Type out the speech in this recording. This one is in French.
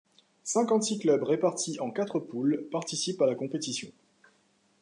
Cinquante-six clubs répartis en quatre poules participent à la compétition.